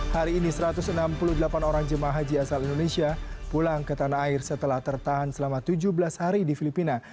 hari ini satu ratus enam puluh delapan orang jemaah haji asal indonesia pulang ke tanah air setelah tertahan selama tujuh belas hari di filipina